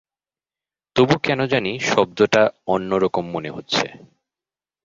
তবু কেন জানি শব্দটা অন্য রকম মনে হচ্ছে।